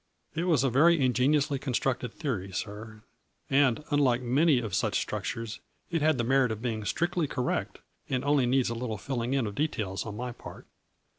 It was a very ingeniously constructed theory, sir, and, unlike many of such structures, it had the merit of being strictly correct, and only needs a little filling in of de tails on my part.